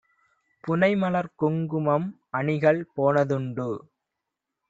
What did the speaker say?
புனைமலர்குங் குமம்அணிகள் போனதுண்டு;